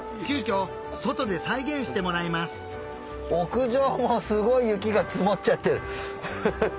急きょ外で再現してもらいます屋上もすごい雪が積もっちゃってる。